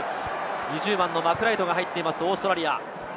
２０番のマクライトが入っています、オーストラリア。